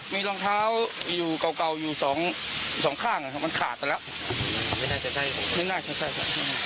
มีรองเท้าอยู่เก่าเก่าอยู่สองสองข้างมันขาดตัวแล้วไม่น่าจะได้ไม่น่าจะได้